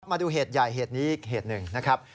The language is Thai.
มาดูเหตุใหญ่เหตุนี้อีกเหตุหนึ่งนะครับ